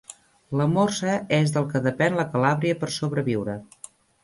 La morsa és del que depèn la calàbria per sobreviure.